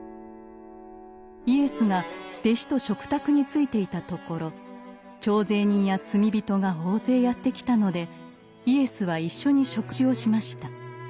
イエスが弟子と食卓についていたところ徴税人や罪人が大勢やって来たのでイエスは一緒に食事をしました。